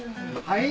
はい。